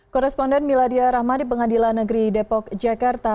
koresponden miladia rahmadi pengadilan negeri depok jakarta